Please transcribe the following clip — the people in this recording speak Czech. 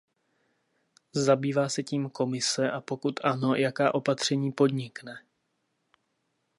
Zabývá se tím Komise, a pokud ano, jaká opatření podnikne?